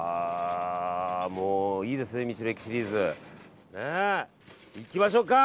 いいですね、道の駅シリーズ。いきましょか。